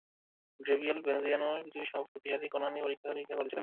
Gabriel Veneziano পৃথিবীর সব শক্তিশালী কণা নিয়ে পরীক্ষা-নিরীক্ষা করছিলেন।